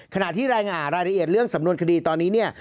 ขณะที่รายงานรายละเอียดเรื่องสำนวนคดีตอนนี้เนี่ย